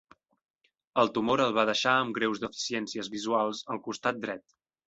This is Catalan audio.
El tumor el va deixar amb greus deficiències visuals al costat dret.